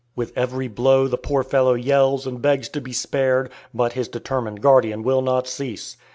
With every blow the poor fellow yells and begs to be spared, but his determined guardian will not cease.